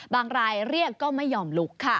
รายเรียกก็ไม่ยอมลุกค่ะ